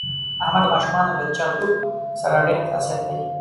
احمد د ماشومانو له چغ چوغ سره ډېر حساسیت لري.